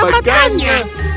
kenapa kami tidak mendapatkannya